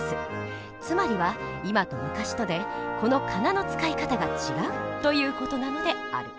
つまりは今と昔とでこの仮名の使い方が違うという事なのである。